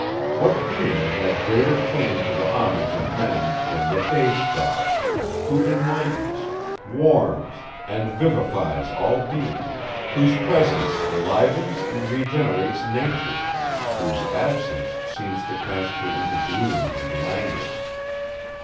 What being had greater claim to the homage of men, than the day star, who enlightens, warms, and vivifies all beings; whose presence enlivens and regenerates nature, whose absence seems to cast her into gloom and languor?